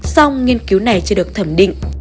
xong nghiên cứu này chưa được thẩm định